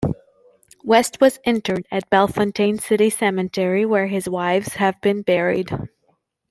West was interred at Bellefontaine City Cemetery, where his wives had been buried.